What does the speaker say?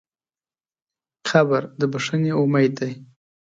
قبر د بښنې امید دی.